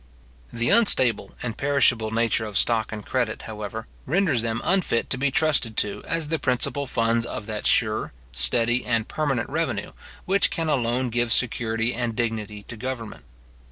The unstable and perishable nature of stock and credit, however, renders them unfit to be trusted to as the principal funds of that sure, steady, and permanent revenue, which can alone give security and dignity to government.